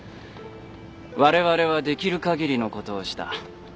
「我々はできるかぎりのことをした。